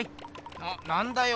ななんだよ。